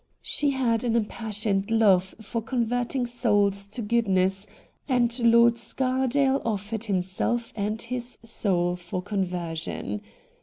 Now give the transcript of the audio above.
She had an impassioned love for converting souls to goodness, and Lord Scardale offered himself and his soul for con version.